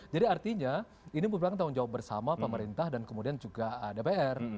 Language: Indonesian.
jadi artinya ini memperberangkan tahun jawa bersama pemerintah dan kemudian juga dpr